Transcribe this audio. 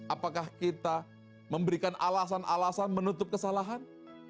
apakah kita memberikan alasan alasan menutup kesalahan